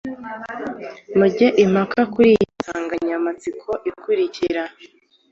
Muge impaka kuri iyi nsanganyamatsiko ikurikira